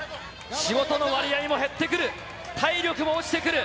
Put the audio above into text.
仕事の割合も減ってくる、体力も落ちてくる。